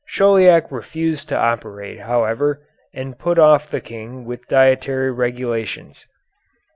Chauliac refused to operate, however, and put off the King with dietary regulations.